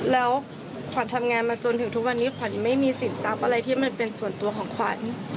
แล้วขวัญทำงานมาจนถึงทุกวันนี้ขวัญไม่มีสินทรัพย์อะไรที่มันเป็นส่วนตัวของขวัญ